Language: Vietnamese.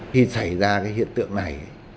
khi xảy ra cái hiện tượng này